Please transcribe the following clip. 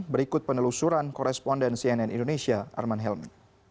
berikut penelusuran koresponden cnn indonesia arman helmi